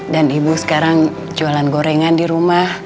dan ibu sekarang jualan gorengan di rumah